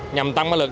nhằm tăng mã lực